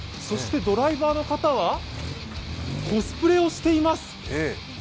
そしてドライバーの方はコスプレをしています。